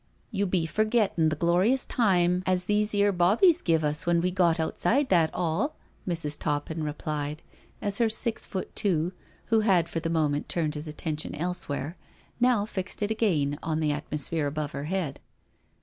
" You be forgettin* the glorious time as these 'ere bobbies give us when we got outside that 'all," Mrs. Toppin replied, as her Six foot two, who had for the moment turned his attention elsewhere, now fixed it again on the atmosphere above her head.